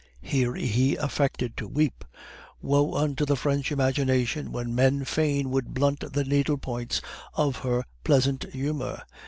(Here he affected to weep.) "Woe unto the French imagination when men fain would blunt the needle points of her pleasant humor!